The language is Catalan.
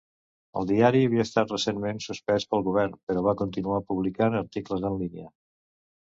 El diari havia estat recentment suspès pel govern, però va continuar publicant articles en línia.